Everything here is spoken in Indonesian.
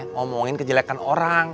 ngomongin kejelekan orang